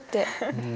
うん。